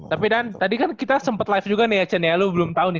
tapi dan tadi kan kita sempat live juga nih ya chen ya lu belum tahu nih